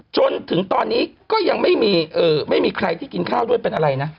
จนถึงตอนนี้ก็ยังไม่มีใครที่กินข้าวด้วยเป็นอะไรนะ